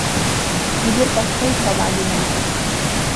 নিজের কথাটাই সব-আগে মনে পড়ে।